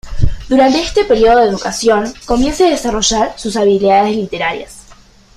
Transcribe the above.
Durante este periodo de educación, comienza a desarrollar sus habilidades literarias.